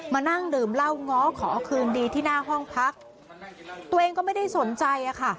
มานั่งดื่มเหล้าง้อขอคืนดีที่หน้าห้องพักตัวเองก็ไม่ได้สนใจอะค่ะ